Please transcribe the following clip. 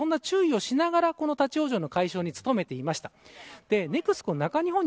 そんな注意をしながら立ち往生の解消へ努めていました。